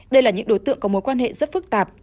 đây là những đối tượng có mối quan hệ rất phức tạp